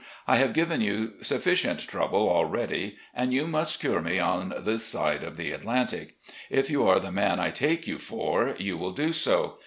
I have given you sufficient trouble already, and you must cure me on tlds side of the Atlantic. If you are the man I take you for, you will do so.